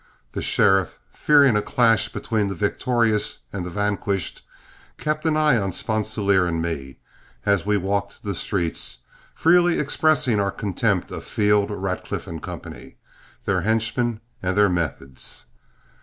The sheriff, fearing a clash between the victorious and the vanquished, kept an eye on Sponsilier and me as we walked the streets, freely expressing our contempt of Field, Radcliff & Co., their henchmen and their methods.